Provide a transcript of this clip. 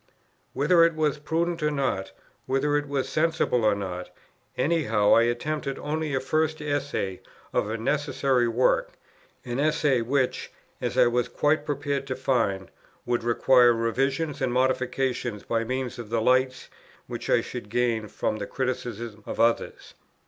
Whether it was prudent or not, whether it was sensible or not, any how I attempted only a first essay of a necessary work, an essay which, as I was quite prepared to find, would require revision and modification by means of the lights which I should gain from the criticism of others.